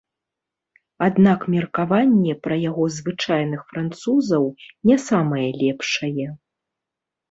Аднак меркаванне пра яго звычайных французаў не самае лепшае.